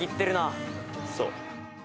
そう。